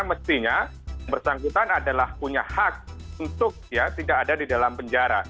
mestinya yang bersangkutan adalah punya hak untuk ya tidak ada di dalam penjara